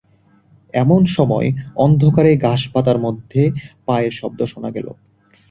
এমন সময়ে অন্ধকারে ঘাসপাতার মধ্যে পায়ের শব্দ শোনা গেল।